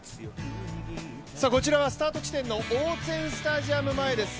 こちらはスタート地点のオーツェン・スタジアム前です。